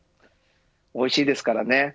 おいしいですからね。